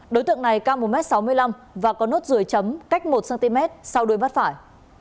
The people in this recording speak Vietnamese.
đối tượng này cao một m sáu mươi năm và có nốt ruồi chấm cách một cm sau đuôi mắt phải